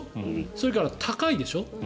それから高いでしょ。